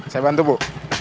saya bantu bu